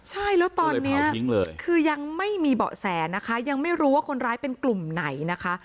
ใช่แล้วตอนนี้คือยังไม่มีเบาะแสนะคะยังไม่รู้ว่าคนร้ายเป็นกลุ่มไหนนะคะ